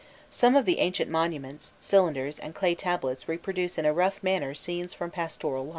Some of the ancient monuments, cylinders, and clay tablets reproduce in a rough manner scenes from pastoral life.